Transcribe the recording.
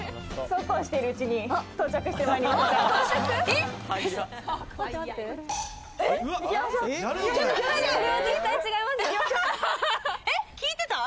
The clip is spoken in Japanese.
そうこうしているうちに到着して参りました。